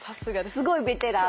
すごいベテラン。